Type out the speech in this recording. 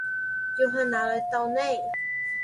要去哪裡斗內